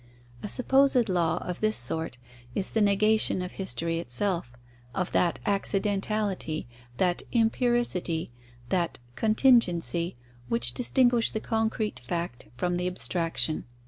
A supposed law of this sort is the negation of history itself, of that accidentality, that empiricity, that contingency, which distinguish the concrete fact from the abstraction.